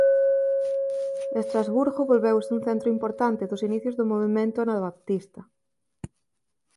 Estrasburgo volveuse un centro importante dos inicios do movemento anabaptista.